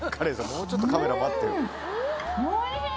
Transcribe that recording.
もうちょっとカメラ待って。